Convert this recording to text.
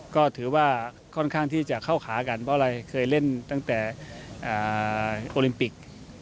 ก็ถือว่าค่อนข้างที่จะเข้าขากันเพราะอะไรเคยเล่นตั้งแต่โอลิมปิก